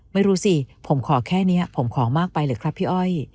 ไม่รู้สิผมขอแค่นี้ผมขอมากไปหรือครับพี่อ้อย